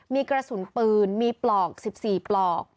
มีกระสุนปืนมีปลอก๑๔ปลอก